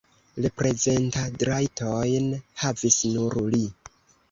Reprezentadrajtojn havis nur li.